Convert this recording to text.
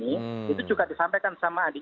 itu juga disampaikan sama adik